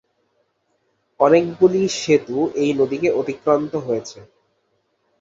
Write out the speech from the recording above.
অনেকগুলি সেতু এই নদীকে অতিক্রান্ত হয়েছে।